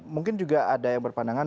mungkin juga ada yang berpandangan